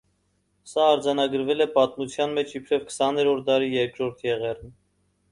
Սա արձանագրվել է պատմության մեջ իբրև քսաներորդ դարի երկրորդ եղեռն։